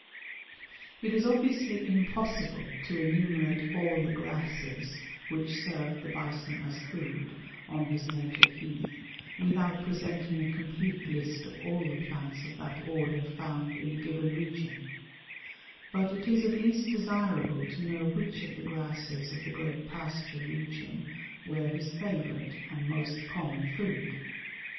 It is obviously impossible to enumerate all the grasses which served the bison as food on his native heath without presenting a complete list of all the plants of that order found in a given region; but it is at least desirable to know which of the grasses of the great pasture region were his favorite and most common food.